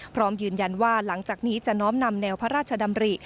พร้อมยืนยันว่าหลังจากนี้จะน้อมนำแนวพระราชดำริ